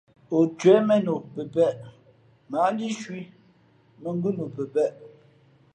O cwěh mēn o pəpēʼ, mα ǎ ndíʼ cwǐ, mᾱ ngʉ́ nu pəpēʼ.